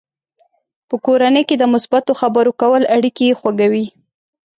په کورنۍ کې د مثبتو خبرو کول اړیکې خوږوي.